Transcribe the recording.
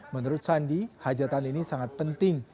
menurut sandi hajatan ini sangat penting